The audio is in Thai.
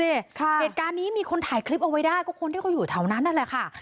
เหตุการณ์นี้มีคนถ่ายคลิปเอาไว้ได้ก็คนที่เขาอยู่แถวนั้นนั่นแหละค่ะ